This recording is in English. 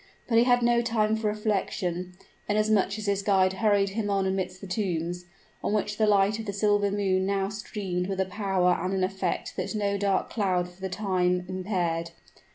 But he had no time for reflection, inasmuch as his guide hurried him on amidst the tombs, on which the light of the silver moon now streamed with a power and an effect that no dark cloud for the time impaired.